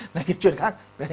là chuyện khác